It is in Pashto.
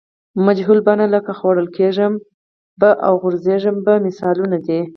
مجهول بڼه لکه خوړل کیږم به او غورځېږم به مثالونه دي.